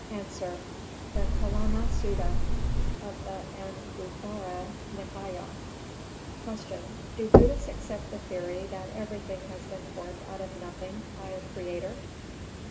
_ A. The Kālāma Sutta, of the Anguthara Nikāya. 327. Q. _Do Buddhists accept the theory that everything has been formed out of nothing by a Creator?